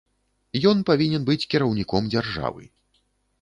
Ён павінен быць кіраўніком дзяржавы.